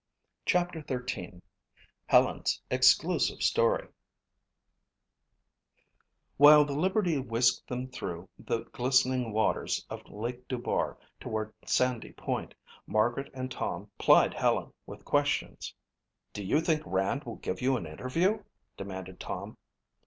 CHAPTER XIII Helen's Exclusive Story While the Liberty whisked them through the glistening waters of Lake Dubar toward Sandy Point, Margaret and Tom plied Helen with questions. "Do you think Rand will give you an interview?" demanded Tom.